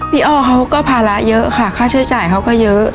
อ้อเขาก็ภาระเยอะค่ะค่าใช้จ่ายเขาก็เยอะ